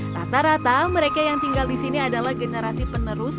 rata rata mereka yang tinggal di sini adalah generasi penerus